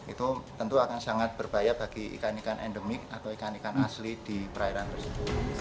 itu tentu akan sangat berbahaya bagi ikan ikan endemik atau ikan ikan asli di perairan tersebut